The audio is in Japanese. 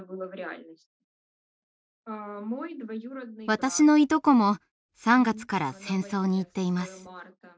私のいとこも３月から戦争に行っています。